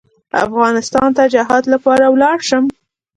افغانستان ته جهاد لپاره ولاړ شم.